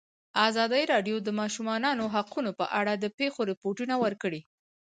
ازادي راډیو د د ماشومانو حقونه په اړه د پېښو رپوټونه ورکړي.